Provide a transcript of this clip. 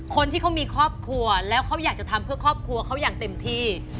คนที่เขามีครอบครัวแล้วเขาอยากจะทำเพื่อครอบครัวเขาอย่างเต็มที่